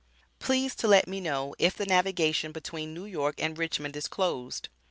Please to let me know if the navigation between New York & Richmond is closed.